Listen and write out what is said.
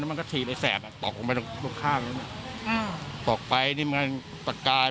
มันก็ถีดไอ้แสบตกไปทุกข้างตกไปนี่มันก็ตะกาย